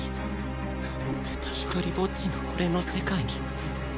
ひとりぼっちの俺の世界に